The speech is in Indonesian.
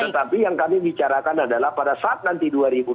tetapi yang kami bicarakan adalah pada saat nanti dua ribu dua puluh